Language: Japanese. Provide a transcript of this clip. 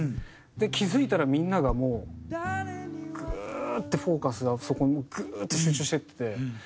で気付いたらみんながもうグーッ！ってフォーカスがそこにグーッ！って集中していってて。